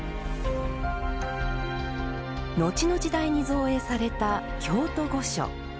のちの時代に造営された京都御所。